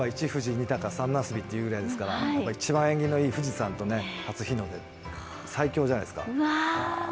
二鷹三茄子というぐらいですから一番縁起のいい富士山と初日の出、最強じゃないですか。